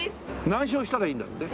何勝したらいいんだって？